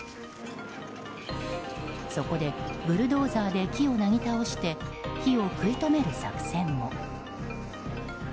そこでブルドーザーで木をなぎ倒して火を食い止める作戦も。